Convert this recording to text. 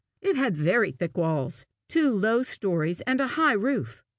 It had very thick walls, two low stories, and a high roof.